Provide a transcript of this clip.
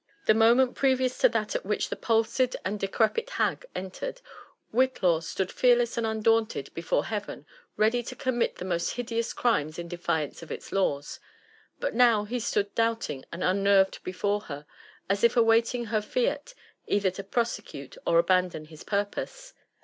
The moment previous to that at which the palsied and decrepit hag entered, Whitlaw stood feariess and undaunted before Heaven, ready to commit the most hideous crimes in defiance of its laws ; but now he stood doubting and unnerved before her, as if awaiting her fiat either to prosecute or abandon his purpose.